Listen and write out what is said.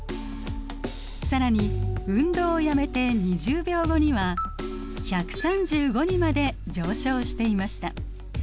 更に運動をやめて２０秒後には１３５にまで上昇していました。